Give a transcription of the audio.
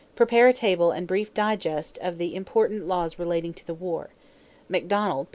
= Prepare a table and brief digest of the important laws relating to the war. Macdonald, pp.